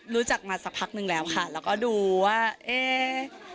รู้จักมาสักพักนึงแล้วค่ะแล้วก็ดูว่าเอ๊ะ